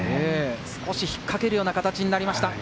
少しひっかけるような形になりました。